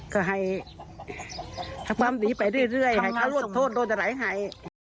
ก็ให้ทางบ้านหนีไปเรื่อยให้เขารวดโทษโดนไหลให้